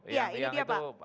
iya ini dia pak